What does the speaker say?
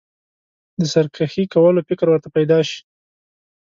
د سرکښي کولو فکر ورته پیدا شي.